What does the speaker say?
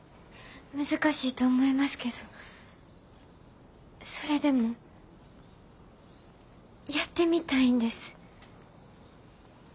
難しいと思いますけどそれでもやってみたいんです。